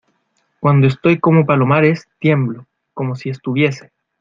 cuando estoy como Palomares, tiemblo ; como si estuviese